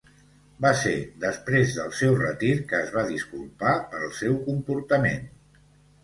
Va ser després del seu retir que es va disculpar pel seu comportament.